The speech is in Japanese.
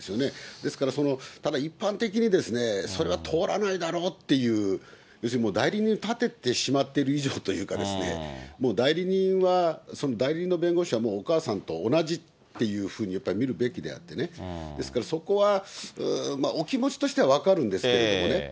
ですから、ただ一般的にそれは通らないだろうっていう、要するに代理人を立ててしまっている以上というかですね、もう代理人は、代理人の弁護士はもうお母さんと同じっていうふうに、やっぱり見るべきであって、ですから、そこはお気持ちとしては分かるんですけれどもね。